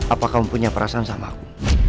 apa kamu punya perasaan sama aku